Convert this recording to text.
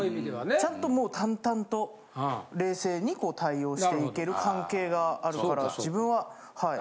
ちゃんともう淡々と冷静にこう対応していける関係があるから自分ははい。